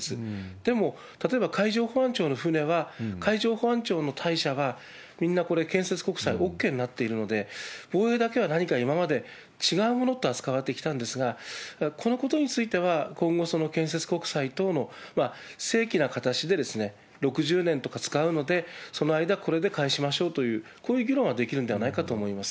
でも、例えば海上保安庁の船は、海上保安庁のたいしゃは、みんなこれ、建設国債ＯＫになっているので、防衛だけは何か今まで違うものって扱われてきたんですが、ただ、このことについては今後、その建設国債等の正規な形で、６０年とか使うので、その間、これで返しましょうという、こういう議論はできるんではないかと思います。